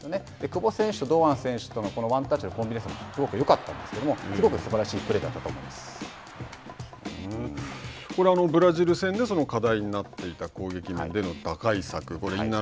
久保選手と堂安選手のワンタッチのコンビネーションすばらしかったんですけどすごく、すばらしいプレーだったこれはブラジル戦で課題になっていた攻撃面での打開策